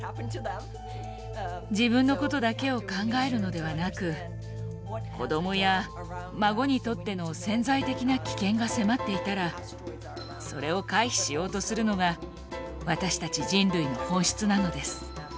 自分のことだけを考えるのではなく子どもや孫にとっての潜在的な危険が迫っていたらそれを回避しようとするのが私たち人類の本質なのです。